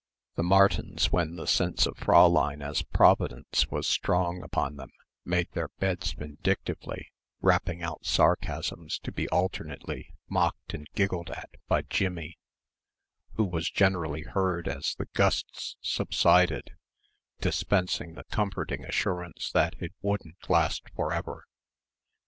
The Martins, when the sense of Fräulein as providence was strong upon them made their beds vindictively, rapping out sarcasms to be alternately mocked and giggled at by Jimmie who was generally heard, as the gusts subsided, dispensing the comforting assurance that it wouldn't last for ever.